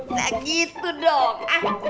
gak gitu dong